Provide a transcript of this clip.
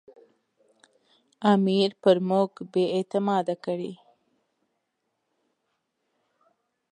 امیر پر موږ بې اعتماده کړي.